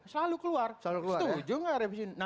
selalu keluar setuju enggak revisi undang undang